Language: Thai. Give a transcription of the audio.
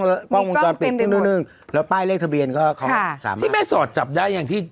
มีกล้องเต็มได้หมดแล้วป้ายเลขทะเบียนก็ค่ะที่แม่สอดจับได้อย่างที่